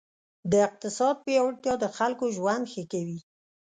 د اقتصاد پیاوړتیا د خلکو ژوند ښه کوي.